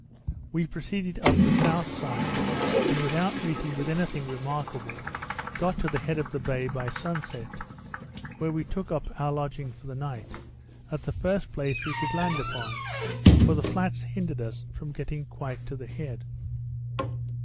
We proceeded up the south side, and without meeting with any thing remarkable, got to the head of the bay by sun set; where we took up our lodging for the night, at the first place we could land upon; for the flats hindered us from getting quite to the head.